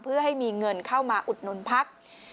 เพื่อให้มีเงินเข้ามาอุดหนุนพัก